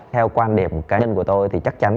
theo quan điểm cá nhân của tôi thì chắc chắn